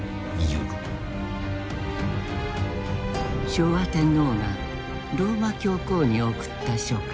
昭和天皇がローマ教皇に送った書簡。